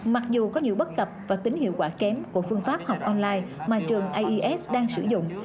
mặc dù có nhiều bất cập và tính hiệu quả kém của phương pháp học online mà trường ais đang sử dụng